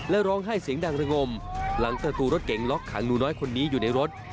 และร้องไห้เสียงดังระงมหลังประตูรถเก๋งล็อกขังหนูน้อยคนนี้อยู่ในรถ